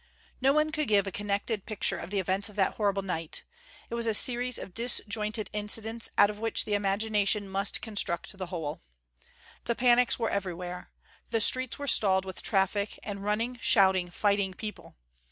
No one could give a connected picture of the events of that horrible night. It was a series of disjointed incidents out of which the imagination must construct the whole. The panics were everywhere. The streets were stalled with traffic and running, shouting, fighting people.